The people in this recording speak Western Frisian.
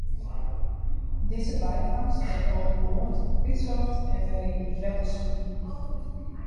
Dizze byfangst wurdt oan board útsocht en wer yn it wetter smiten.